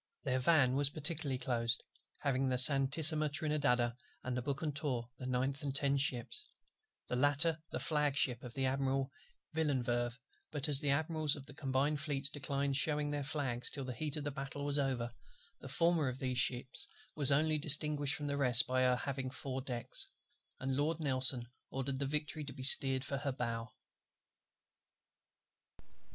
Their van was particularly closed, having the Santissima Trinidada and the Bucentaur the ninth and tenth ships, the latter the flag ship of Admiral VILLENEUVE: but as the Admirals of the Combined Fleets declined shewing their flags till the heat of the battle was over, the former of these ships was only distinguished from the rest by her having four decks; and Lord NELSON ordered the Victory to be steered for her bow.